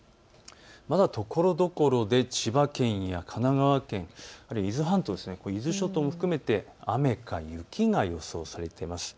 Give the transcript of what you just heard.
まだ、ところどころで千葉県や神奈川県、伊豆半島、伊豆諸島も含めて雨か雪が予想されています。